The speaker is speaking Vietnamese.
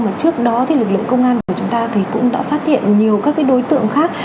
và trước đó thì lực lượng công an của chúng ta thì cũng đã phát hiện nhiều các đối tượng khác